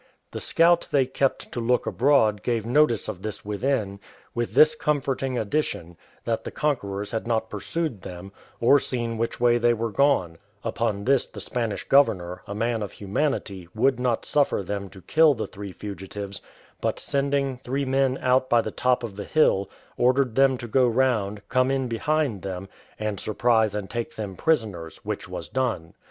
The scout they kept to look abroad gave notice of this within, with this comforting addition, that the conquerors had not pursued them, or seen which way they were gone; upon this the Spanish governor, a man of humanity, would not suffer them to kill the three fugitives, but sending three men out by the top of the hill, ordered them to go round, come in behind them, and surprise and take them prisoners, which was done.